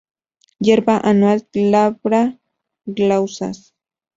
Hierba anual glabra, glaucas.